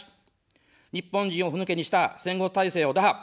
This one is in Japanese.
日本人をふぬけにした戦後体制を打破。